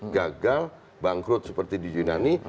gagal bangkrut seperti di yunani